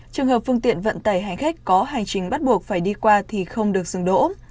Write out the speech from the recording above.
trường hợp phương tiện vận tải hành khách có hành trình bắt buộc phải đi qua thì không được dừng đỗ